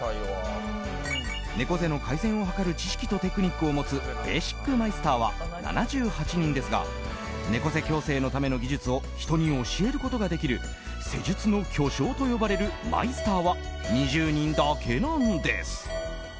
猫背の改善を図る知識とテクニックを持つベーシックマイスターは７８人ですが猫背矯正のための技術を人に教えることができる施術の巨匠と呼ばれるマイスターは２０人だけなんです。